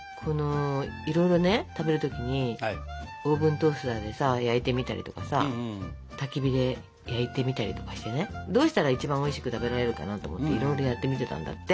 いろいろね食べる時にオーブントースターでさ焼いてみたりとかさたき火で焼いてみたりとかしてねどうしたら一番おいしく食べられるかなと思っていろいろやってみてたんだって。